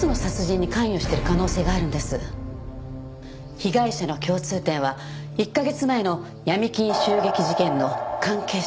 被害者の共通点は１カ月前の闇金襲撃事件の関係者。